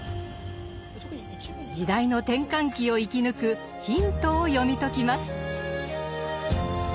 時代の転換期を生き抜くヒントを読み解きます。